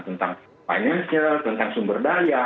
tentang financial tentang sumber daya